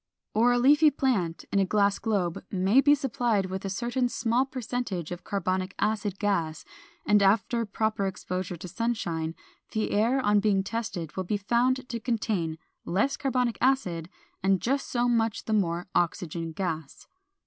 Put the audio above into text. Or a leafy plant in a glass globe may be supplied with a certain small percentage of carbonic acid gas, and after proper exposure to sunshine, the air on being tested will be found to contain less carbonic acid and just so much the more oxygen gas.